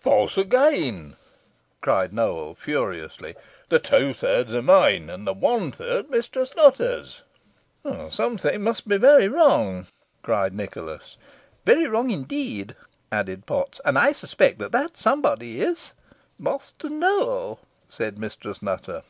"False again," cried Nowell, furiously. "The two thirds are mine, the one third Mistress Nutter's." "Somebody must be very wrong," cried Nicholas. "Very wrong indeed," added Potts; "and I suspect that that somebody is " "Master Nowell," said Mistress Nutter.